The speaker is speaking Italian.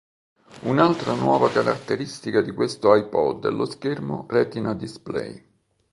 Un'altra nuova caratteristica di questo iPod è lo schermo Retina display.